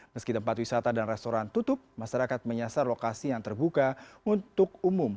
meski tempat wisata dan restoran tutup masyarakat menyasar lokasi yang terbuka untuk umum